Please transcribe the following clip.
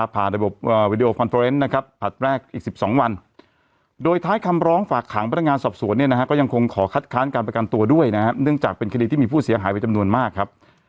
ประกันตัวด้วยนะครับเนื่องจากเป็นคดีที่มีผู้เสียหายไปจำนวนมากครับ